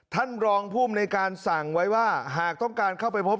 ท่านรองภูมิในการสั่งไว้ว่าหากต้องการเข้าไปพบ